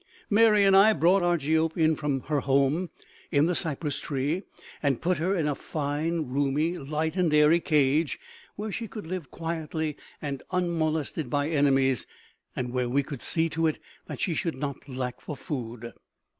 Mary and I brought Argiope in from her home in the cypress tree and put her in a fine, roomy, light and airy cage, where she could live quietly and unmolested by enemies, and where we could see to it that she should not lack for food.